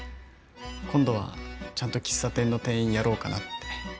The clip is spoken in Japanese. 今度はちゃんと喫茶店の店員やろうかなって。